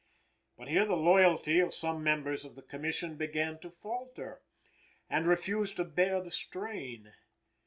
But here the loyalty of some members of the Commission began to falter, and refuse to bear the strain.